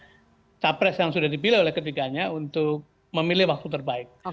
karena kita sudah mencari capres yang sudah dipilih oleh ketiganya untuk memilih waktu terbaik